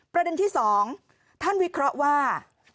ประเด็นที่๒ท่านวิเคราะห์ว่า